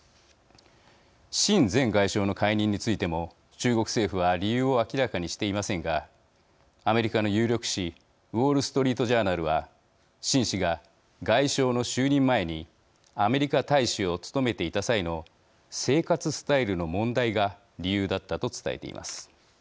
秦前外相の解任についても中国政府は理由を明らかにしていませんがアメリカの有力紙ウォール・ストリート・ジャーナルは秦氏が外相の就任前にアメリカ大使を務めていた際の生活スタイルの問題が理由だったと伝えています。